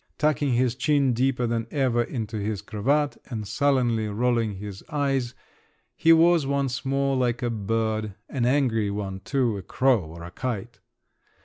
Tucking his chin deeper than ever into his cravat and sullenly rolling his eyes, he was once more like a bird, an angry one too,—a crow or a kite.